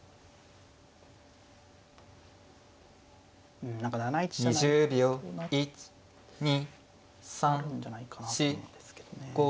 うん何か７一飛車成と成るんじゃないかなと思うんですけどね。